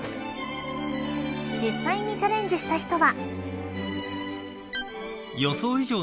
実際にチャレンジした人は。